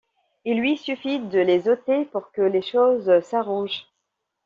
Il lui suffit de les ôter pour que les choses s’arrangent.